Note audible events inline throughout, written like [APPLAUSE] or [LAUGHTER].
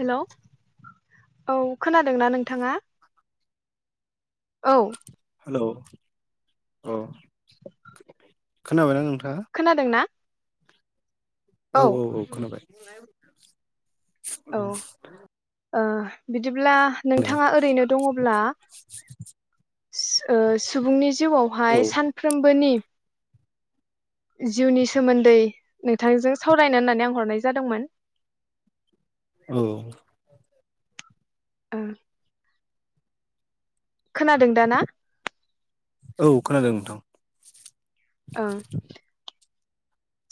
हेल' औ खोनादोंना नोंथाङा औ औ औ खोनाबाय ना नोंथाङा खोनादोंना औ औ औ खोनाबाय औ ओ बिदिब्ला दे नोंथाङा ओरैनो दङ'ब्ला ओ सुबुंनि औ जिउआवहाय सानफ्रोमबोनि जिउनि सोमोन्दै नोंथांजों सावरायनो होननानै आं हरनाय जादोंमोन। औ ओ खोनादों दा ना औ खोनादों नोंथां ओं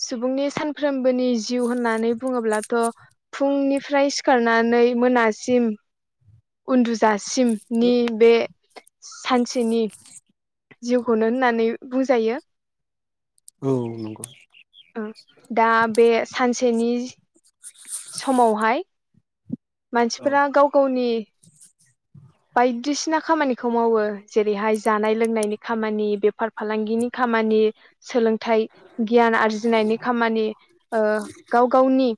सुबुंनि सानफ्रोमबोनि जिउ होननानै बुङोब्लाथ' फुंनिफ्राय सिखारना नै मोनासिम उन्दुजा सिम नि बे सानसेनि जिउखौनो होननानै बुंजायो औ नंगौ ओ दा बे सानसेनि समावहाय औ मानसिफोरा गाव गावनि बायदिसिना खामानिखौ मावो जेरैहाय जानाय लोंनायनि खामानि बेफार फालांगिनि खा मानि सोलों थाय गियान आरजिनायनि खामानि ओ गाव गावनि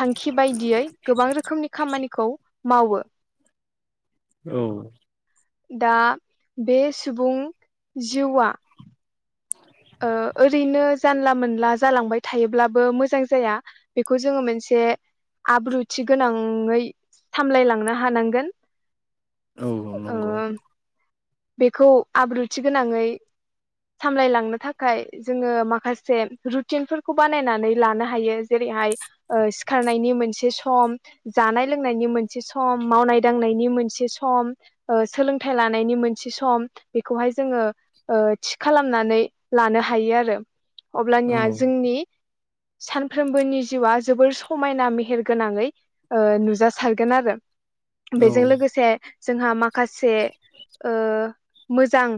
थांखि बायदियै गोबां रोखोमनि खामानिखौ मावो । औ दा बे सुबुं जिउआ ओ ओरैनो जानला मोनला जालांबाय थायोब्लाबो मोजां जाया बेखौ जोङो मोनसे आब्रुथि गोनाङै सामलायलांनो हानांगोन औ ओ नंगौ बेखौ आब्रुथि गोनाङै सामलायलांनो थाखाय जोङो माखासे रुटिनफोरखौ बानायनानै लानो हायो जेरै हाय ओ सिखारनायनि मोनसे सम जानाय लोंनायनि मोनसे सम मावनाय दांनायनि मोनसे सम ओ सोलोंथाइ लानायनि मोन से सम बेखौहाय जोङो ओ थि खालामनानै लानो हायो आरो औ अब्लानिया जोंनि सानफ्रोमबोनि जिउआ जोबोर समायना मेहेर गोनाङै ओ नुजासारगोन आरो औ बेजों लोगोसे जोंहा माखासे ओ मोजां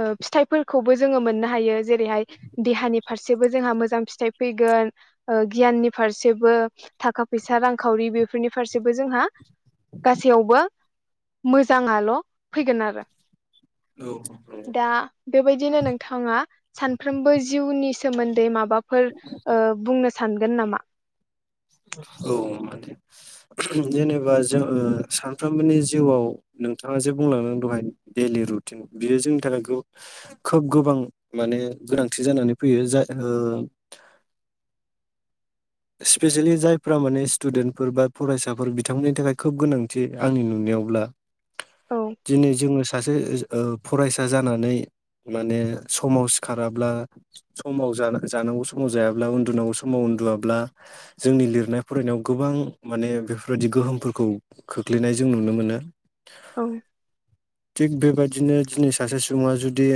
ओ फिथाइफोर खौबो जोङो मोननो जेरैहाय देहानि फारसेबो जोंहा मोजां फिथाय फैगोन ओ गिया याननि फारसेबो थाखा फैसा रांखावरि बेफोरनि फारसेबो जोंहा गासैयावबो मोजाङाल' फैगोन आरो औ दा बेबायदिनो नोंथाङा सानफ्रोमबो जिउनि सोमोन्दै मा बाफोर ओ बुंनो सानगोन नामा औ माने जेनेबा जों सानफ्रोमबोनि जिउआव नोंथाङा जे बुंलांदों दहाय दैलि रुटिन बियो जोंनि थाखाय खोब गोबां माने गोनांथि जानानै फैयो जाय ओ [INAUDIBLE] स्पेसियेलि जायफ्रा माने स्टुडेन्टफोर बा फरायसाफोर बिथांमोननि थाखाय खोब गोनांथि आंनि नुना यावब्ला औ दिनै जोङो सासे ओ फरायसा जानानै माने समाव सिखाराब्ला समाव जाना जानांगौ समाव जायाब्ला उन्दुनांगौ समाव उन्दुवा ब्ला जोंनि लिरनाय फरायनायाव गोबां माने बेफोरबायदि गोहोमफोरखौ खोख्लैनाय जों नुनो मोनो । औं थिग बेबायदिनो दिनै सासे सुबुङा जुदि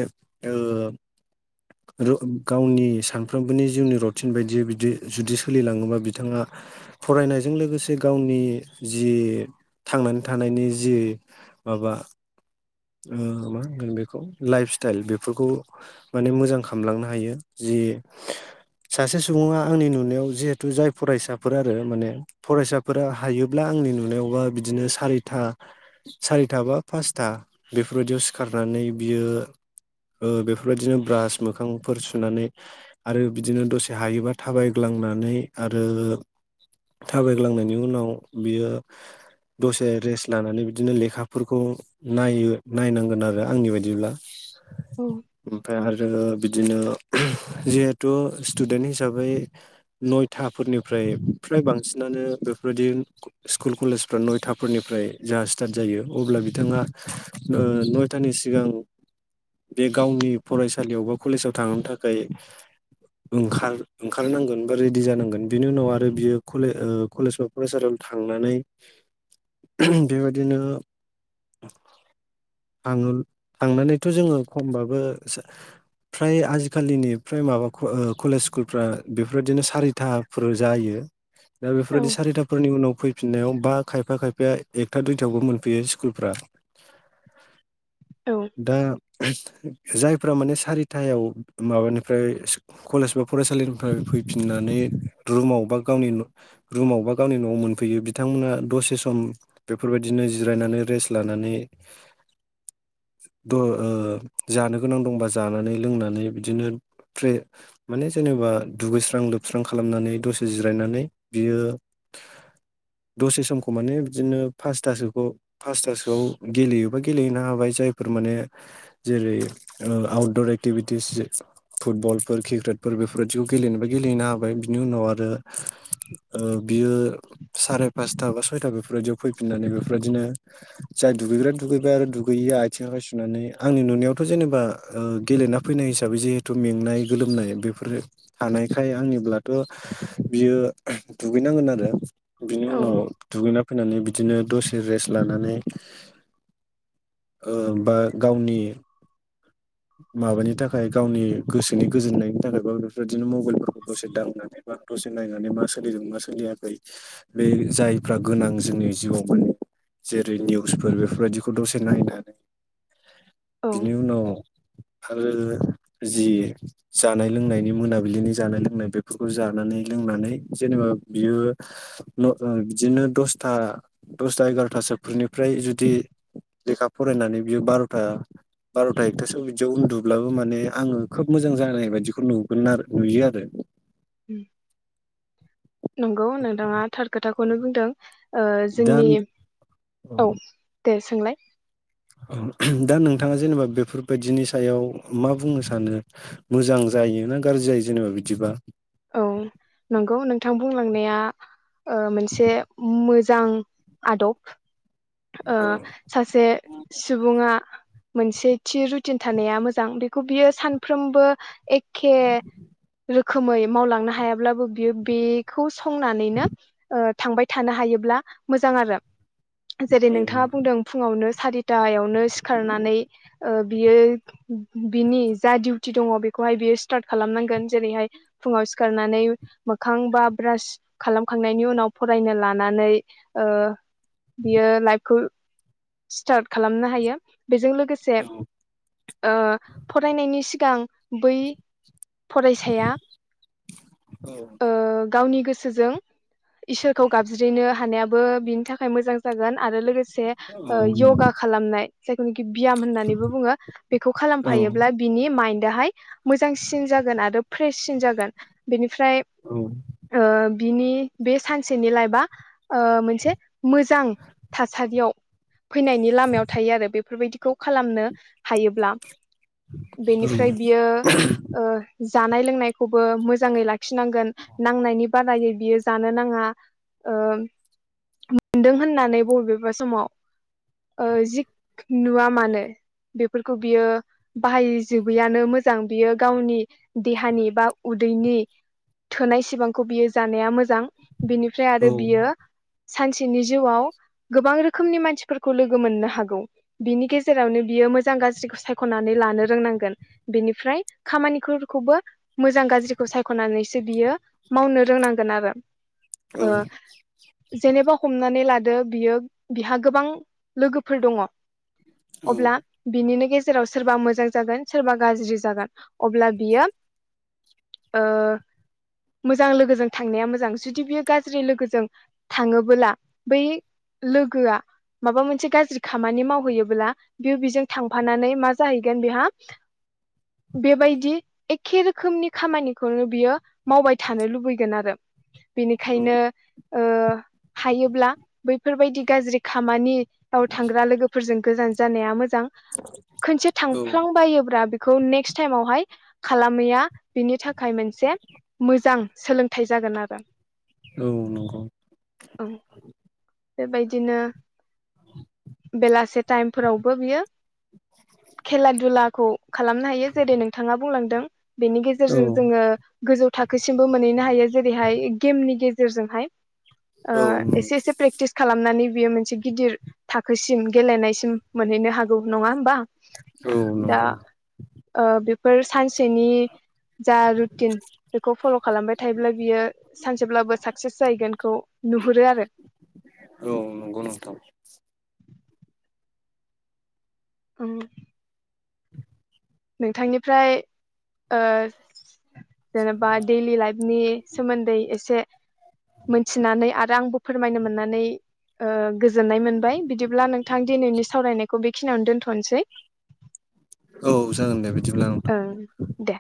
गावनि सानफ्रोमबोनि जिउनि रुटिन बायदि बिदि जुदि सोलिलाङोबा बिथाङा फरायनायजों लोगोसे गावनि जि थांनानै थानाय नि जि माबा मा होनगोन बेखौ लाइफ स्टाइल बेफोरखौ माने मोजां खालामामलांनो हायो जि सासे सुबुङा आंनि नुनायाव जिहेथु जाय फरायसाफोर आरो माने फरायसाफोरा हायोब्ला आंनि नुनायावबा बिदिनो सारिथा सारिथा बा पासथा बेफोरबायदियाव सिखारनानै बियो बेफोरबायदिनो ब्रास मोखांफोर सुनानै आरो बिदिनो दसे हायोबा थाबायग्लांनानै आरो थाबायग्लांनायनि उनाव बियो दसे रेस्ट लानानै बिदिनो लेखाफोरखौ नायो नायनांगोन आरो आंनि बायदिब्ला औ ओमफ्राय आरो बिदिनो जिहेथु स्टुदेन्ट हिसाबै नयथाफोरनिफ्राय फ्राय बांसिनानो बेफोरबायदि स्कुल कलेजफ्रा नयथाफोरनिफ्राय जोंहा स्टार्ट जायो अब्ला बिथाङा नयथानि सिगां बे गावनि फरायसालियाव बा कलेजाव थांनो थाखाय ओंखार ओंखारनांगोन रेडि जानांगोन बिनि उनाव आरो बियोे कलेज ओ कलेजाव फरायसालियाव थांनानै बेबायदिनो थां थांनानैथ' जोङो खमबाबो फ्राय आजिखालिनि फ्राय माबा कलेज स्कुलफ्रा बे बेफोरबायदिनो सारिथाफोर जायो दा औ बेफोरबायदि सारिथाफोरनि उनाव फै फिनायाव बा खायफा खायफाया एकथा दुइथायावबो मोनफैयो स्कुलफ्रा औ दा जायफ्रा माने सारिथायाव माबानिफ्राय कलेज बा फरायसालिनिफ्राय फै फिननानै रुमाव बा गावनि रुमाव बा गावनि न'आव मोनफैयो बिथांमोना दसे सम बेफोरबायदिनो जिरायनानै रेस्ट लानानै थ ओ जानो गोनां दंबा जानानै लोंनानै बिदिनो फ्रे माने जेनेबा बा दुगैस्रां लोबस्रां खालामनानै दसे जिरायनानै बियो दसे समखौ माने बिदिनो फासतासोखौ फासतासोआव गेलेयोबा गेलेहैनो हाबाय जायफोर माने जेरै आउटदर एक्टिभिटिस फुटबलफोर क्रिकेटफोर बेफोरबायदिखौ गेलेनो गेलेहैनो हाबाय बिनि उनाव आरो बियो साराय पासथा बा सयथा बेफोरबायदियाव फैफिननानै बेफोरदिनो जाय दुगैग्रा दुगैबाय आरो दुगैयैया आथिं आखाय सुनानै आंनि नुनायाव' जेनेबा गेलेना फैनाय हिसाबै जिहेथु मेंनाय गोलोमनाय बेफोर हानाय बेखाय आंनिब्लाथ' बियो दुगैनांगोन आरो बिनि औ उनाव दुगैना फैनानै बिदिनो दसे रेस्ट लानानै ओ बा गावनि माबानि थाखाय गावनि गोसोनि गोजोननायनि थाखाय बा बेफोरदिनो मबाइलफोरखौ दसे दांनानै बा दसे नायनानै मा सोलिदों मा सोलियाखै बे जायफ्रा गोनां जोंनि जिवाव माने जेरै निउसफोर बेफोरबायदिखौ दसे नायनानै औ बिनि उनाव आरो जि जानाय लोंनायनि मोनाबिलिनि जानाय लोंनाय बेफोरखौ जानानै लों लोंनानै जेनेबा बियो बिदिनो दसथा दसथा एगारथासो निफ्राय जुदि लेखा फरायनानै बियो बार'था बार'था एख खथासआव बिदियाव उन्दुब्लाबो माने आङो खोब मोजां जानाय बायदिखौ नुगोन आरो नुयो आरो नंगौ नोंथाङा थार खोथाखौनो बुंदों ओ दा जोंनि औ दे सोंलाय दा नोंथाङा जेनेबा बेफोरबायदिनि सायाव मा बुंनो सानो मोजां जा यो ना गाज्रि जायो जेनेबा बिदिबा औ नंगौ नोंथां बुंलांनाया ओ मोनसे मोजां आदब ओ औ सासे सुबुङा मोनसे थि रुटिन थानाया मोजां बेखौ बियो सानफ्रोमबो एखे रोखोमै मावलांनो हायाब्लाबो बियो बेखौ संनानैनो ओ‌ थांबाय थानो हायोब्ला मोजां आरो जेरै नोंथाङा बुंदों फुङावनो सारिथायावनो सिखारनानै ओ बियो बिनि जा डिउटि दङ बेखौहाय बियो स्टार्ट खालामनांगोन जेरैहाय फुङाव सिखारनानै मोखां बा ब्रास खालामखांनायनि उनाव फरायनो लानानै ओ‌ बियो लाइफखौ स्टार्ट खालामनो हायो बेजों लोगोसे‌ औ ओ फरायनायनि सिगां बै फरायसाया औ ओ गावनि गोसोजों इसोरखौ गाबज्रिनो हानायाबो बिनि थाखाय मोजां जागोन आरो लोगोसे औ नंगौ यगा खालामनाय जायखनाखि बियाम होननानैबो बुङो बेखौ औ खालामफायोब्ला बिनि माइन्ड दाहाय मोजांसिन जागोन आरो फ्रेससिन जागोन बेनिफ्राय औ ओ बिनि बे सानसेनि लाइफआ ओ मोनसे मोजां थासारियाव फैनायनि लामायाव थायो आरो बेफोरबायदिखौ खालामनो हायोब्ला। औ बेनिफ्राय बियो ओ जानाय लोंनायखौबो मोजाङै लाखिनांगोन नांनायनि बारायै बियो जानो नाङा। मोनदों होननानै बबेबा समाव ओ जिख नुवा मानो बेफोरखौ बियो बाहायजोबोैयानो मोजां बियो गावनि देहानि बा उदै नि थोनाय सिबांखौ बियो जानाया मोजां। बिनिफ्राय औ आरो बियो सानसेनि जिउआव गोबां रोखोमनि मानसिफोर खौ लोगो मोननो हागौ बिनि गेजेरावनो बियो मोजां गाज्रिखौ सायख'नानै लानो रोंनांगोन। बि निफ्राय खामानिखोरखौबो मोजां गाज्रिखौ सायख'नानैसो बियो मावनो रोंनांगोन आरो। औ ओ जेनेबा हमनानै लादो बियो बिहा गोबां लोगोफोर दङ अब्ला बिनिनो गेजे जेराव सोरबा मोजां जागोन सोरबा गाज्रि जागोन अब्ला बियो ओ‌ मोजां लोगोजों थांनाया मोजां जुदि बियो गाज्रि लोगोजों थाङोबोला बै लोगोआ माबा मोनसे गाज्रि खामानि मावहैयोब्ला बेयो बेजों थांफानानै मा जाहैगोन बेहा बेबायदि एखे रोखोमनि खामानिखौनो बियो मावबाय थानो लुबैगोन आरो बेनिखायनो ओ हायोब्ला बैफोरबायदि गाज्रि खामानि आव थांग्रा लोगोफोरजों गोजान जानाया मोजां खनसे थांफ्लांबायोब्रा बे खौ नेक्स्ट टाइमावहाय खालामैया बिनि थाखाय मोनसे मोजां सोलोंथाइ जागोन आरो। औ नंगौ। औ बेबायदिनो बेलासे टाइमफोरावबो बियो खेला दुलाखौ खालामनो हायो जेरै नोंथाङा बुंलांदों बेनि औ गेजेरजों जोङो गोजौ थाखोसिमबो मोनहैनो हायो जेरैहाय गेमनि गेजेरजोंहाय ओ औ एसे एसे फ्रेक खालामनानै बियो मोनसे गिदिर थाखोसिम गेलेनायसिम मोनहैनो हागौ नङा होमबा? औ नंगौ ओ‌ बेफोर सानसेनि जा रुटिन बेखौ फल' खालामबाय थायोब्ला बियो सानसेब्लाबो साक्सेस जाहैगोनखौ नुहुरो आरो। औ नंगौ नोंथां। औ [INAUDIBLE] नोंथांनिफ्राय ओ जेनेबा देलि लाइफनि सोमोन्दै एसे मोथिनानै आरो आंबो फोरमायनो मोननानै ओ गोजोननाय मोनबाय बिदिब्ला नोंथां दिनैनि सावरायनायखौ बेखिनियावनो दोनथ' थ'नसै औ जा ओ दे